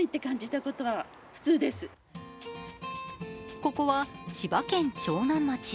ここは千葉県長南町。